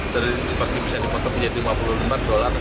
dari sebagian bisa dipotong menjadi lima puluh lembar dolar